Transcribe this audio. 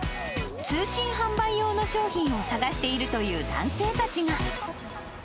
通信販売用の商品を探しているという男性たちが。